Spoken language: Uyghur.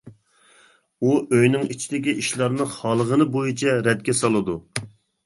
ئۇ ئۆينىڭ ئىچىدىكى ئىشلارنى خالىغىنى بويىچە رەتكە سالىدۇ.